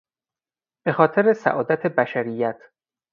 به خاطر سعادت بشریت